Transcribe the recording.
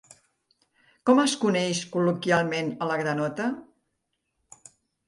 Com es coneix col·loquialment a la granota?